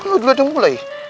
lu dulu udah mulai